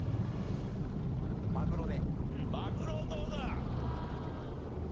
マグロどうだ？